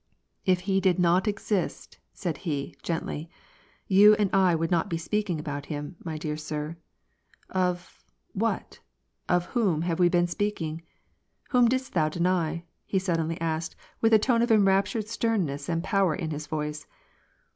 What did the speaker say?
^" If He did not exist," said he, gently, " you and I would not be speaking about Him, my dear sir. Of, what, of whom have we been speaking ? Whom didst thou deny ?" he sud denly asked, with a tone of enraptured sternness and power in his voice.